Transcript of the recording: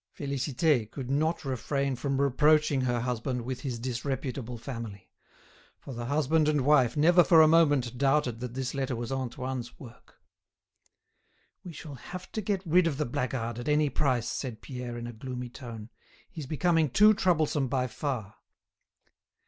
Félicité could not refrain from reproaching her husband with his disreputable family; for the husband and wife never for a moment doubted that this letter was Antoine's work. "We shall have to get rid of the blackguard at any price," said Pierre in a gloomy tone. "He's becoming too troublesome by far."